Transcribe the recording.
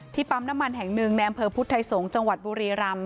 ปั๊มน้ำมันแห่งหนึ่งในอำเภอพุทธไทยสงศ์จังหวัดบุรีรำ